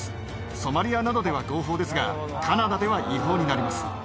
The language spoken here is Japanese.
ソマリアなどでは合法ですが、カナダでは違法になります。